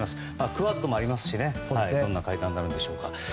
クアッドもありますしどんな会談になるんでしょうか。